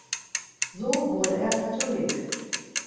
So wurde er Katholik.